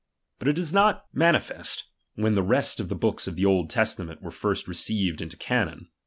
But it is not CHAP. xvf. manifest, ■when the rest of the books of the Old '' Testament were first received into canon.